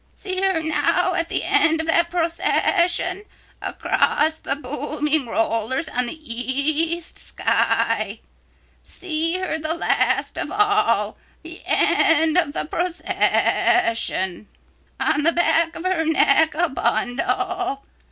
See her now at the end of that procession across the booming rollers on the east sky. See her the last of all, the end of the procession. On the back of her neck a bundle.